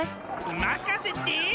まかせて！